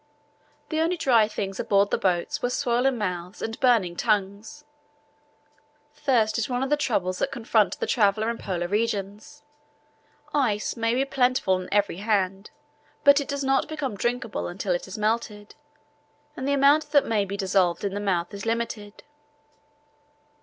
The only dry things aboard the boats were swollen mouths and burning tongues. Thirst is one of the troubles that confront the traveller in polar regions. Ice may be plentiful on every hand, but it does not become drinkable until it is melted, and the amount that may be dissolved in the mouth is limited.